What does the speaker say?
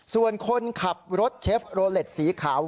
ส่วนคนขับรถเชฟโรเล็ตสีขาว